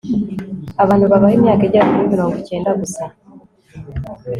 abantu babaho imyaka igera kuri mirongo icyenda gusa